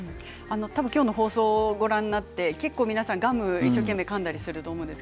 多分、今日の放送をご覧になって結構、皆さんガムを一生懸命かんだりすると思います。